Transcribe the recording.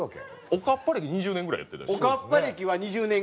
おかっぱ歴は２０年ぐらいやりました。